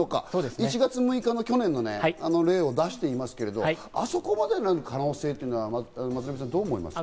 １月６日の去年の例を出していますけど、あそこまでなる可能性はどう思いますか？